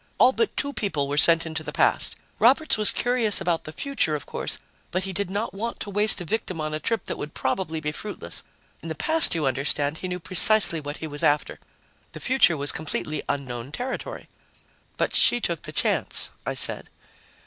All but two people were sent into the past. Roberts was curious about the future, of course, but he did not want to waste a victim on a trip that would probably be fruitless. In the past, you understand, he knew precisely what he was after. The future was completely unknown territory." "But she took the chance," I said.